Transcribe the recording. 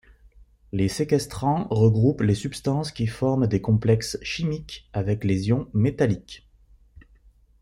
Les séquestrants regroupent les substances qui forment des complexes chimiques avec les ions métalliques.